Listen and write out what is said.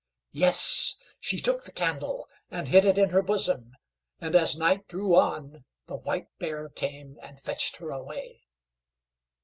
Yes! she took the candle and hid it in her bosom, and as night drew on, the White Bear came and fetched her away.